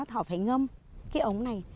họ phải ngâm cái ống này